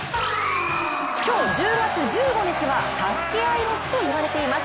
今日、１０月１５日は助け合いの日といわれています。